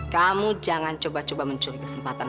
kamu jangan coba coba mencuri kesempatan